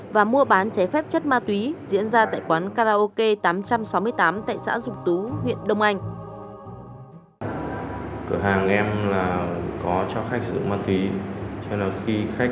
và mua bán trái phép chất ma túy diễn ra tại quán karaoke tám trăm sáu mươi tám tại xã dục tú huyện đông anh